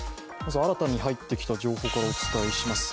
新たに入ってきた情報からお伝えします。